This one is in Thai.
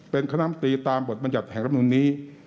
เป็นขนาดน้ำตีตามบทบรรยัติแห่งรับหนุนนี้